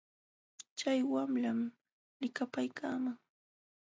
Chay wamlam likapaaykaaman.